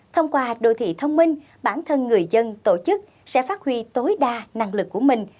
thông qua đô thị thông minh bản thân người dân tổ chức sẽ phát huy tối đa năng lực của mình